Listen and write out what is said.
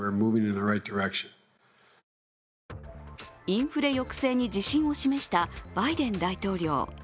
インフレ抑制に自信を示したバイデン大統領。